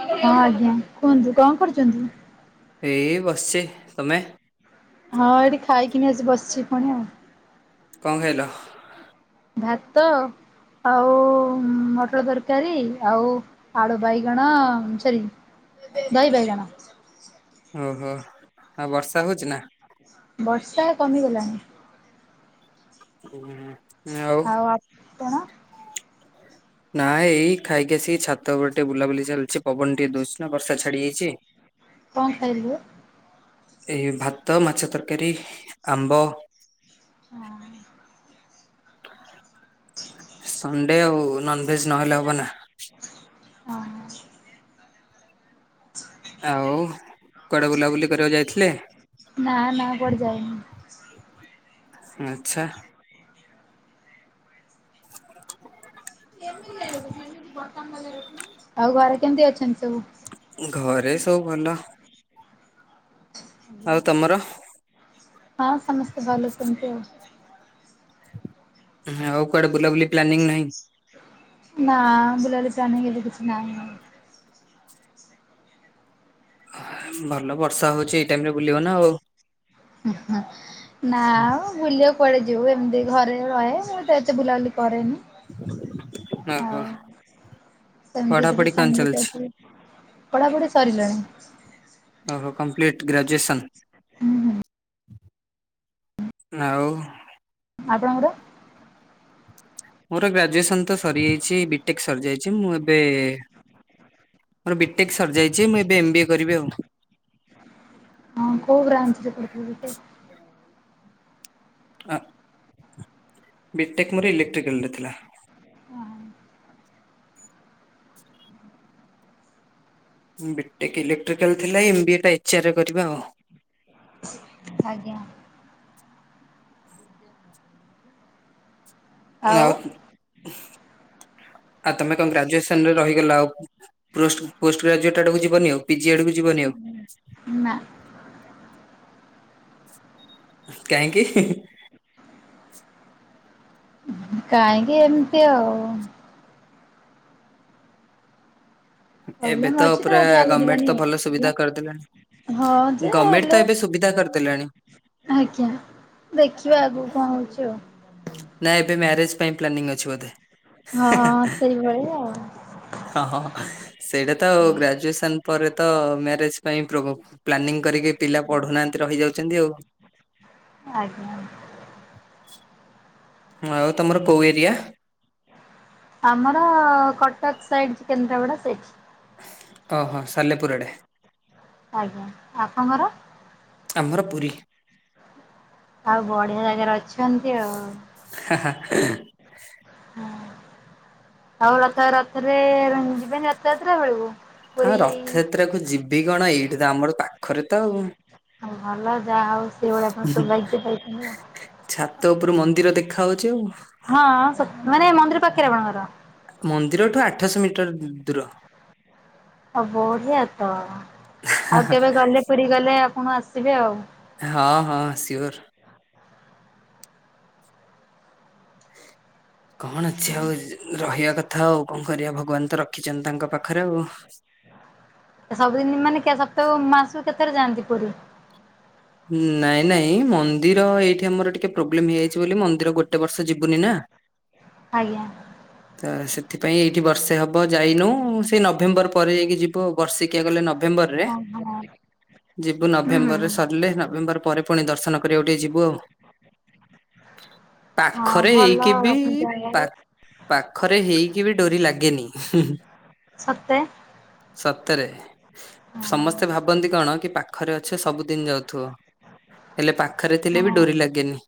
ହଁ ଆଜ୍ଞା କୁହନ୍ତୁ କଣ କରୁଚନ୍ତି? ଏଇ ବସିଚି। ତମେ? ହଁ ଏଇଠି ଖାଇକିନି ଆସି ବସିଚି ପୁଣି ଆଉ। କଣ ଖାଇଲ? ଭାତ ଆଉ ମଟର ତରକାରୀ ଆଉ ଆଳୁ ବାଇଗଣ ସରି ଦଇ ଦହି ବାଇଗଣ। ଓହୋ ଆଉ ବର୍ଷା ହଉଛି ନା? ବର୍ଷା କମିଗଲାଣି। ମତେ ଆଉ। ନା ଏଇ ଖାଇକିସି ଛାତ ଛାତ ଉପରେ ଟିକେ ବୁଲାବୁଲି ଚାଲିଛି ପବନ ଟିକେ ଦଉଛି ନା ବର୍ଷା ଛାଡି ଯାଇଛି। କଣ ଖାଇଲୁ? ଏ ଭାତ ମାଛ ତରକାରୀ ଆମ୍ବ। ହଁ। ହ ସଣ୍ଡେ ଆଉ ନନଭେଯେ ନହେଲେ ହବ ନା। ଆଉ କୁଆଡେ ବୁଲାବୁଲି କରିବାକୁ ଯାଇଥିଲେ? ନା ନା କୁଆଡେ ଯାଇନି। ଆଛା। [inaudible] ଆଉ ଘରେ କେମିତି ଅଛନ୍ତି ସବୁ? ଘରେ ସବୁ ଭଲ। ଆଉ ତମର ହଁ ସମସ୍ତେ ଭଲଅଛନ୍ତି ଆଉ। ତମେ ଆଉ କୁଆଡେ ବୁଲାବୁଲି ପ୍ଲାନିଂ ନାହିଁ? ନା ବୁଲାଲି ଚା ଆଣି ଗଲେ କିଛି ନାହିଁ ଆଉ। ଭଲ ବର୍ଷା ହଉଛି ଏଇ ଟାଇମି ରେ ବୁଲିବ ନା ଆଉ। ନାଆଉ ବୁଲିବାକୁ କୁଆଡେ ଯିବୁ ଏମିତି। ଘରେ ରହେ ମୁଁ ଏତେ ବୁଲାବୁଲି କରେନି। ଆଉ ଓହୋ ସେମିତି ଦେବେ ପଢାପଢି କଣ ସାଙ୍ଗଟେ ଚାଲିଛି? ପଢ଼ାପଢ଼ି ସରିଲାଣି? ଓହୋ କମ୍ପ୍ଲିଟ ଗ୍ରାଜୁଏସନ୍। ହୁଁ ହୁଁ। ଆଉ। ଆପଣଙ୍କର? ମୋର ଗ୍ରାଜୁଏସନ ତ ସରିଯାଇଛି ବିଟେକ୍ ସରିଯାଇଛି ମୁଁ ଏବେ ମୋର ବିଟେକ୍ ସରିଯାଇଛି ମୁଁ ଏବେ ଏମ ବିଏ କରିବି ଆଉ। ଅ କୋଉ ବ୍ରାଞ୍ଚରେ କରିଥିଲେ ଟେ ହଁ। ବିଟେକ୍ ମୋର ଇଲେକ୍ଟ୍ରିକାଲରେ ଥିଲା। ବିଟେକ୍ ଇଲେକ୍ଟ୍ରିକାଲ ଥିଲା। ଏ ଏମ ବିଏ ଟା ଏଚେରେ କରିବା ଆଉ। ଆଜ୍ଞା। ଆଉ ଆଉ [unintelligible] ତମେ କଣ ଗ୍ରାଜୁଏସନରେ ରହିଗଲା ଆଉ। ପୋଷ୍ଟ ପୋଷ୍ଟ ଗ୍ରାଜୁଟ ଆଡକୁ ଯିବନି ଆଉ ପିଜି ଆଡକୁ ଯିବନି ଆଉ। ନା କାହିଁକି ହିଁ। କାହିଁକି ଏମିତି ଆଉ। ଏବେ ପ୍ରୋବ୍ଲେମ ତ ଅଛି ପୁରା ଯଦି ଆଗକୁ ଗଭର୍ଣ୍ଣମେଣ୍ଟ ଯିବାନି ତ ଆଉ ଭଲ ଆଜ୍ଞା ସୁବିଧା ହଁ କରିଦେଲେଣି। ଯେ ଗମେଡ୍‌ ହେଲେ ତ ଏବେ ସୁବିଧା କରିଦେଲାଣି। ଆଜ୍ଞା ଦେଖିଆବା ଆଗକୁ କଣ ହଉଛି ଆଉ। ନା ଏବେ ମ୍ୟାରେଜ୍ ପାଇଁ ପ୍ଲାନିଂ ଅଛି ବୋଧେ? ହଁ ହଁ ହଁ ସେଇଭଳିଆ ଆଉ। ହଁ ହଁ ହଁ ସେଇଟା ତ ଗ୍ରାଜୁଏସନ ପରେ ତ ମ୍ୟାରେଜ ପାଇଁ ପ୍ରୋଭ ପ୍ଲାନିଂ କରିକି ପିଲା ଆଜ୍ଞା ପଢୁନାହାନ୍ତି ରହିଯାଉଛନ୍ତି ଆଉ। ଆଜ୍ଞା। ହୁଁ ଆଉ ତମର କୋଉ ଏରିଆ? ଆମର କଟକ ସାଇଡ୍ କେନ୍ଦ୍ରାପଡ଼ା ସେଇଠି। ଓହୋ ସାଲେପୁର ଆଡେ। ଆଜ୍ଞା ଆପଣଙ୍କର? ଆମର ପୁରୀ। ଆଉ ବଢିଆ ଜାଗାରେ ଅଛନ୍ତି ଆଉ। ହଁ ହଁ। ହୁଁ ଆଉ ରଥ ରଥରେ ଯିବେନି ରଥଯାତ୍ରା ବେଳକୁ? ହଁ ପୁରୀ ରଥଯାତ୍ରା କୁ ଯିବି କଣ? ଏଇଠି ତ ଆମର ପାଖରେ ତ ଆଉ। ଭଲ ଯାହା ହଉ ସେଇଭଳିଆ ଆପଣ ସୌଭାଗ୍ୟ ପାଇଛନ୍ତି ଆଉ। ଛାତ ଉପରୁ ମନ୍ଦିର ଦେଖା ହଉଛି ଆଉ। ହଁ ସ ମାନେ ମନ୍ଦିର ପାଖରେ ଆପଣଙ୍କ ଘର? ମନ୍ଦିରଠୁ ଆଠଶହ ମିଟର ଦୂର। ଅ ବଢିଆ ତ। ହାଁ ଆଉ ହାଁ। କେବେ ଗଲେ ପୁରୀ ଗଲେ ଆପଣ ଆସିବେ ଆଉ। ହଁ ହଁ ସିଓର। କଣ ଅଛି ଆଉ ର‌ ରହିବା କ ଥାଉ କଣ କରିବା ଭଗବାନ ତ ରଖିଛନ୍ତି ତାଙ୍କ ପାଖରେ ଆଉ। ଆ ସବୁଦିନ ମାନେ କେ ସପ୍ତାହକୁ ମାସକୁ କେତେଥର ଯାଆନ୍ତି ପୁରୀ? ହୁଁ ନାଇଁ ନାଇଁ ମନ୍ଦିର ଏଇଠି ଆମର ଟିକେ ପ୍ରୋବ୍ଲେମ ହେଇଯାଇଛି ବୋଲି, ମନ୍ଦିର ଗୋଟେ ବର୍ଷ ଯିବୁନି ନା। ଆଜ୍ଞା। ତ ସେଥିପାଇଁ ଏଇଠି ବର୍ଷେ ହବ ଯାଇନୁ। ସେ ନଭେମ୍ବର ପରେ ଯାଇକି ଯିବ୍ ଯିବୁଆଉ। ବର୍ଷିକିଆ ଗଲେ ନଭେମ୍ବରରେ, ଓହୋ ଯିବୁ ହୁଁ ହୁଁ ନଭେମ୍ବରରେ ସ ସରିଲେ ନଭେମ୍ବର ପରେ ପୁଣି ଦର୍ଶନ କରିବାକୁ ଟିକେ ଯିବୁ ଆଉ। ହଁ ପାଖରେ ଭଲ ହେଇକି ବି ଆପଣ ଯାହା ପା ହଉ ପାଖରେ ହେଇକି ବି ଡୋରି ଲାଗେନି। ସତେ? ସତେରେ। ହଁ ସମସ୍ତେ ଭାବନ୍ତି କଣ କି ପାଖରେ ଅଛେ ସବୁ ଦିନ ଯାଉଥିବ। ହେଲେ ପାଖରେ ଥିଲେ ହଁ ବି ଡୋରି ଲାଗେନି।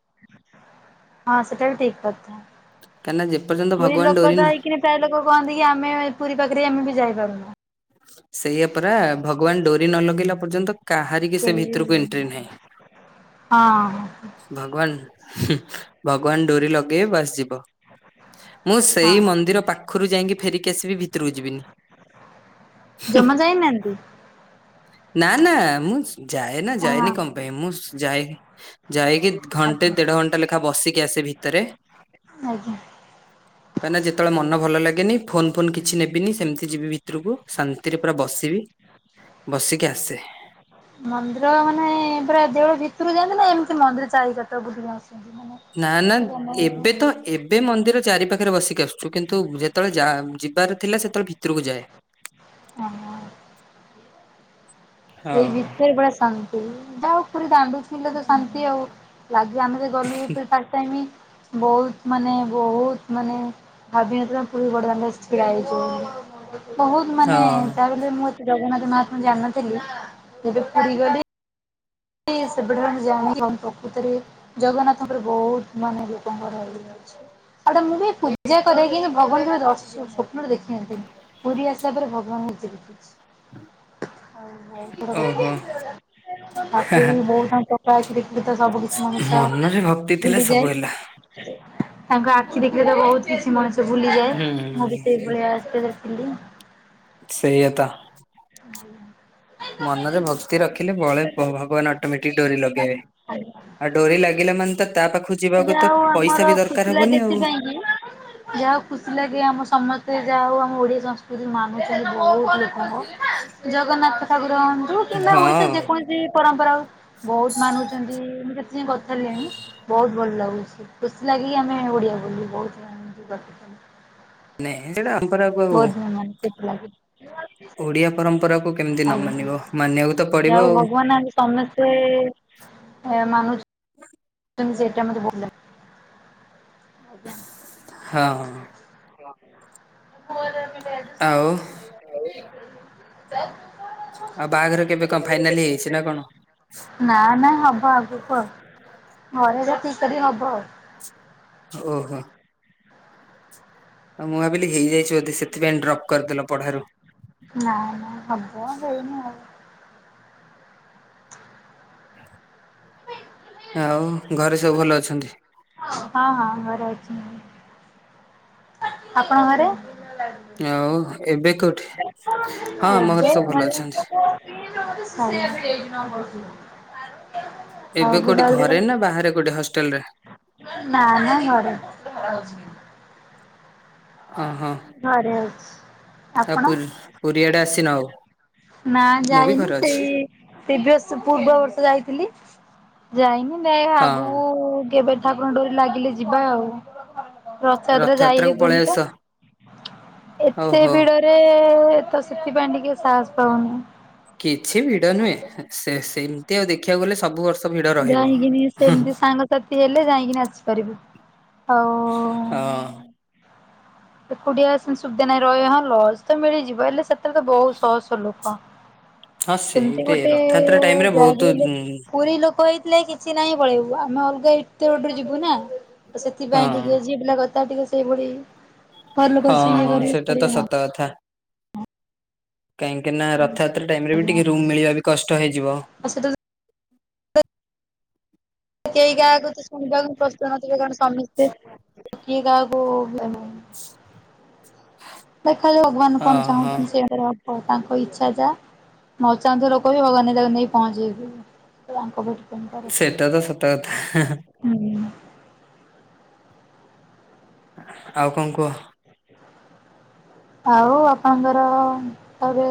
ହଁ ସେଟା ବି ଠିକ କଥା। କାହିଁକିନା ଯେପର୍ଯ୍ୟନ୍ତ ପୁରୀ ଭଗବାନ ଲୋକ ଡୋରି ତ ନ ହେଇକିନି ପ୍ରାୟ ଲୋକ କହନ୍ତି କି? ଆମେ ପୁରୀ ପାଖରେ ଆମେ ବି ଯାଇପାରୁନୁ। ସେଇଆ ପରା ଭଗବାନ ଡୋରି ନ ଲଗେଇଲା ପର୍ଯ୍ୟନ୍ତ କାହାରିକି ସେ କେହି ବି ଭିତରୁକୁ ଏଣ୍ଟ୍ରି ନାହିଁ। ହଁ ଭଗବାନ! ଭଗବାନ ଡୋରି ଲଗେଇବେ ବାସ ଯିବ। ମୁଁ ସେଇ ହଁ ମନ୍ଦିର ପାଖରୁ ଯାଇକି ଫେରିକି ଆସିବି ଭିତରକୁ ଯିବିନି। ଜମା ଯାଇନାହାନ୍ତି? ନା ନା ମୁଁ ସ୍‌ ଯାଏ ନା ଯାଏନି ହଁ କଣ ପାଇଁ ମୁଁ ସ୍‌ ଯାଇ ଯାଇକି ଘଣ୍ଟେ ଆଜ୍ଞା ଦେଢ ଘଣ୍ଟା ଲେଖା ବସିକି ଆସେ ଭିତରେ। ଆଜ୍ଞା। କାଇଁନା ଯେତବେଳେ ମନ ଭଲ ଲାଗେନି ଫୋନ ଫୋନ କିଛି ନେବିନି। ସେମତି ଯିବି ଭିତରୁକୁ ଶାନ୍ତିରେ ପୁରା ବସିବି ବସିକି ଆସେ। ମନ୍ଦିର ମାନେ ପୁରା ଦେଉଳ ଭିତରୁ ଯାଆନ୍ତି ନା ଏମିତି ମନ୍ଦିର ଚାରି ପଟ ବୁଲିକି ଆସନ୍ତି? ମାନେ ନା ନା ଏବେ ତ ଏ ଏବେ ମନ୍ଦିର ଚାରି ପାଖରେ ବସିକି ଆସୁଛୁ। କିନ୍ତୁ ଯେତେବେଳେ ଯିବାର ଥିଲା ସେତେବେଳେ ଭିତରକୁ ଯାଏ। ଓହୋ। [inaudible] ସେଇ ଭିତରେ ପୁରା ଶାନ୍ତି। ଯାହା ହଉ ପୁରୀ ଦାଣ୍ଡରେ ଥିଲେ ତ ଶାନ୍ତି ଆଉ। ଲାଗିବ ଆମେ ସେ ଗଲୁ [inaudible] ବହୁତ ମାନେ ବହୁତ ମାନେ ଭାବିନଥିଲୁ ପୁରୀ ବଡ ଦାଣ୍ଡ ରେ ଛିଡ଼ ହେଇଛୁ ବୋଲି। ବହୁତ ମାନେ ହଁ ଯାହାବି ହେଲେ, ମୁଁ ଏ ଜଗନ୍ନାଥ ମହାତ୍ମା ଜାଣଥିଲି ଯେବେ ପୁରୀ ଗଲି [inaudible] ଜଗନ୍ନାଥଙ୍କର ବହୁତ ମନେ ଲୋକଙ୍କର ଇଏ ଅଛି। ଆଉ ମୁଁ ବି ପୂଜା କରେ କିନ୍ତୁ ଭଗବାନ କେବେ ଦର୍ଶ ସ୍ୱପ୍ନରେ ଦେଖିନି ଦେଖିନି। ପୁରୀ ଆସିଲା ପରେ ଭଗବାନ କୁ ଦେଖିଛି। ଓହୋ [unintelligible] ସବୁ କିଛି ମଣିଷ ମନରେ ଭକ୍ତି ଥିଲେ ଭୁଲି ସବୁ ହେଲା। ଯାଏ। ତାଙ୍କ ଆଖି ଦେଖିଲେ ତ ବହୁତ କିଛି ମଣିଷ ସେ ଭୁଲିଯାଏ ହୁଁ ମୁଁ ବି ସେଇ ଭଳିଆ ଆସି ଦେଖିଲି। ସେଇଆ ତ। ହଁ ଆଉ ହଁ। ମନରେ ଭକ୍ତି ରଖିଲେ ବଳେ ବ ଭଗବାନ ଅଟୋମେଟିକ ଡୋରି ଲଗେଇବେ। ଆଉ ଡୋରି ଲାଗିଲା ମାନେ ତ ତା ପାଖକୁ ଯିବାକୁ ଯାହା ତ ହଉ ଆମର ପଇସା ବି ଖୁସି ଦରକାର ଲାଗେ ହବନି ଆଉ। ଏଥିପାଇଁ କି ଯାହା ହଉ ଖୁସି ଲାଗେ ଆମ ସମସ୍ତେ ଯାହା ହଉ ଆମ ଓଡି ସଂସ୍କୃତି ମାନୁଛନ୍ତି ବହୁତ ଲୋକଙ୍କ ଜଗନ୍ନାଥ ଠାକୁର ହୁଅନ୍ତୁ କିମ୍ବା ହଁ ଓଡିଶାର ଯେକୌଣସି ପରମ୍ପରା ବହୁତ ମାନୁଛନ୍ତି ମୁଁ କେତେ ଯାଇ କଥା ହେଲିଣି ବହୁତ ଭଲ ଲାଗୁଛି। ଖୁସି ଲାଗି କି ଆମେ ଓଡ଼ିଆ ବୋଲି ବହୁତ ମାନୁ ନାଇଁ ସେଇଟା ଆମପରା ଆକୁ ବହୁତ [inaudible] ଓଡିଆ ପରମ୍ପରାକୁ କେମିତି ନ ଆଜ୍ଞା ମାନିବ ମାନିବାକୁ ତ ଯାହା ପଡିବ ହଉ ଆଉ। ଭଗବାନ ଆଜି ସମସ୍ତେ ଏ ମାନୁଛନ୍ତି। ତେଣୁ ସେଇଟା ମୋତେ ଭଲ ଲାଗେ। ହଁ ହଁ। ହଁ। ଆଉ ଆଉ ଆଉ ବାହାଘର କେବେ କଣ ଫାଇନାଲ ହେଇ ଯାଇଛି ନା କଣ? ନା ମ ହବ ଆଗକୁ ଆଉ ଘରେ ଯୋଉଠି ଠିକ୍ କରିବେ ହବ। ଓହୋ। ଆଉ ମୁଁ ଭାବିଲି ହେଇଯାଇଛି ବୋଧେ ସେଥିପାଇଁ ଡ୍ରପ କରିଦେଲ ପଢାରୁ। ନାଇ ନାଇ ହବ ହେଇନି ଆଉ। ଆଉ ଘରେ ସବୁ ଭଲ ଅଛନ୍ତି? ହଁ ହଁ ଘରେ ଅଛି ଆପଣ ଘରେ? ଆଉ ଏବେ କୋଉଠି ହଁ ଆମ ଘରେ ସବୁ ଭଲ ଅଛନ୍ତି। [inaudible] ଆଉ ଏବେ କୋଉଠି ବୁଲାବୁଲି ଘରେ ନା ବାହାରେ କୋଉଠି ହଷ୍ଟେଲ ରେ। ନାମ ଘରେ। ଓହୋ ଘରେ ଆଉ ଅଛି। ପୁରୀ ପୁରୀ ଆଡେ ଆସିନ ଆଉ? ନା ମୁଁ ବି ଯାଇନି ଘରେ ଅଛି। ସେଇ ପ୍ରିଭିୟସ ପୂର୍ବ ବର୍ଷ ଯାଇଥିଲି ଯାଇନି ମେ ହଁ ଆଗକୁ କେବେ ଠାକୁର ଙ୍କ ଡୋରି ଲାଗିଲେ ଯିବା ଆଉ ରଥଯାତ୍ରା ରଥଯାତ୍ରାକୁ ପଳେଇ ଯାଇହେବନି ଆସ। ତ। ଏତେ ଓହୋ ଭିଡରେ ତ ସେଥିପାଇଁ ଟିକେ ସାହସ ପାଉନି। କିଛି ଭିଡ ନୁହେଁ ସେ ସେମତି ଆଉ ଦେଖିବାକୁ ଗଲେ ସବୁ ବର୍ଷ ଭିଡ ରହିବ। ଯାଇକିନି ହୁଁ ସେମିତି ସାଙ୍ଗସାଥି ହେଲେ ଯାଇକିନି ଆସିପାରିବୁ ଆଉ ହଁ। ଏକୁଟିଆ [unintelligible] ସୁବିଧା ନାହିଁ ରହିବ ହଁ ଲଜ ତ ମିଳିଯିବ ହେଲେ ସେତେ ଏତ ତ ବହୁତ ସହସ ଲୋକ। ହଁ ସେମିତି ସେଇଟି ଗୋଟେ ରଥଯାତ୍ରା ଟାଇମରେ [unintelligible] ବହୁତ ହେଲେ ଉଁ, ପୁରୀ ଲୋକ ଏଇ ହେଲେ କିଛି ନାହିଁ ପଳେଇବୁ ଆମେ ଅଲଗା ଏତେ ବାଟ ଯିବୁ ନା ତ ହଁ ସେଥିପାଇଁ ଟିକେ କିଏ ଝିଅ ପିଲା କଥା ଟିକେ ସେଇଭଳି। ଘର ଲୋକ ହଁ ସେ ଇଏ ହଁ କରିବେ ସେଇଟା ତ ଛାଡିବେ ହଁ ସତ କଥା। କାହିଁକି ନା ରଥଯାତ୍ରା ଟାଇମ ରେ ବି ଆଜ୍ଞା। ଟିକେ ରୁମ ମିଳିବା ବି କଷ୍ଟ ହେଇଯିବ। [unintelligible] କେହି କାହା କଥା ଶୁଣିବାକୁ ପ୍ରସ୍ତୁତ ନଥିବେ କାରଣ ସମିସ୍ତେ କିଏ କାହାକୁ ଦେଖାଯାଉ ଭଗବାନ ହଁ କଣ ହଁ ଚାହୁଁଛନ୍ତି ସେଇ ଅନୁସାରେ ହବ। ଓ ତାଙ୍କ ଇଚ୍ଛା ଯା ନ ଚାହୁଥିବା ଲୋକ ବି ଭଗବାନ ତାକୁ ନେଇ ପହଞ୍ଚେଇଥିବ। ତାଙ୍କ [unintelligible] ସେଟା ତ ସତ କଥା। ହୁଁ ହୁଁ। ଆଉ କଣ କୁହ? ଆଉ ଆପଣଙ୍କର ତାରେ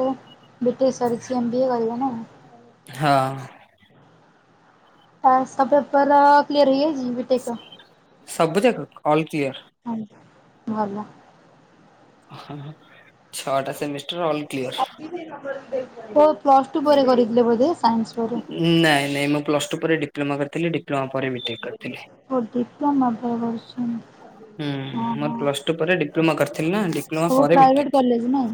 ବି ଟେକ୍ ସରିଛି ଏମ୍ ବି ଏ କରିବେ ନା? ହଁ। ଆ ସ ପେପର କ୍ଲିୟର ହେଇ ଯାଇଛି। ସବୁ ଜାକ ଅଲ କ୍ଲିୟର। ଆ ଭଲ। ହଁ ଛଅଟା ସେମିସ ଓ ପ୍ଲସ ଟୁ ପରେ କରିଥିଲେ ବୋଧେ ସାଇନ୍ସ ପାରେ। ନାଇଁ ନାଇଁ ମୁଁ ପ୍ଲସ ଟୁ ପରେ ଡିପ୍ଲୋମା କରିଥିଲି ଡିପ୍ଲୋମା ପରେ ବି ଟେକ୍ କରିଥିଲି। [unintelligible] ହୁଁ ହଁ ମୋର ହଁ ପ୍ଲସ ଟୁ ପରେ ଡିପ୍ଲୋମା କରିଥିଲି ନା ଡିପ୍ଲୋମା ସବୁ ପରେ ପ୍ରାଇଭେଟ୍ ବିଟେକ୍। କଲେଜ ନାଇଁ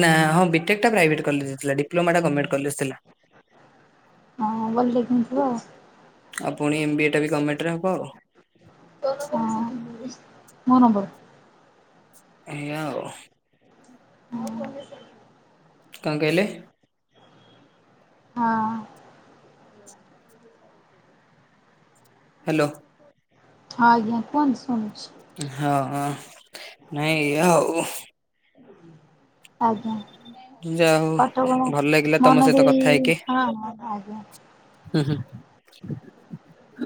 ନା ହଁ ବି ଟେକ୍ ଟା ପ୍ରାଇଭେଟ୍ କଲେଜ ଥିଲା ଡିପ୍ଲୋମା ଟା ଗରମେଣ୍ଟ କଲେଜ ଥିଲା। ହଁ [unintelligible] ଆଉ ପୁଣି ଏମ୍ ବି ଏ ଟା ବି ଗଭର୍ଣମେଣ୍ଟରେ ହବ ଆଉ। ହଁ ମୋ ନମ୍ବର ଏଇଆ ଆଉ। ହୁଁ। କଣ କହିଲେ? ହଁ। ହ୍ୟାଲୋ। ହଁ ଆଜ୍ଞା କୁହନ୍ତୁ ଶଣୁଛି। ହଁ ନାଇଁ ହଉ। ଆଜ୍ଞା। ଯା ହଉ ପାଠ ପଢ଼ ଭଲ ଲାଗିଲା ତମ ମନ ସହିତ ଦେଇ କଥା ହେଇକି। ହଁ ଆଜ୍ଞା। ହୁଁ ହୁଁ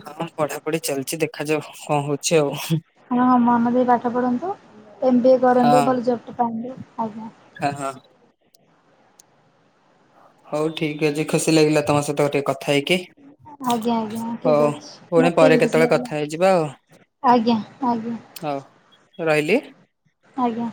ହଁ ପଢାପଢି ଚାଲିଛି ଦେଖାଯାଉ କଣ ହଉ ହଁ ମନେ ଦେଇ ପାଠ ପଢ଼ନ୍ତୁ ଏମ ବି ଏ ହଁ କରନ୍ତୁ ଭଲ ଜବ ଟେ ପାଆନ୍ତୁ। ଆଜ୍ଞା। ହଁ ହଁ। ହଉ ଠିକ ଅଛି ଖୁସି ଲାଗିଲା ତମ ସହିତ ଟିକେ କଥା ହେଇକି। ଆଜ୍ଞା ଆଜ୍ଞା ଠିକ୍ ହଉ ଅଛି। ପୁଣି ମତେ ପରେ ବି ଖୁସି କେତେବେଳେ ଲାଗିଲା। କଥା ହେଇଯିବା ଆଜ୍ଞା ଆଜ୍ଞା। ହଉ ରହିଲି? ଆଜ୍ଞା।